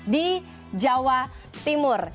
di jawa timur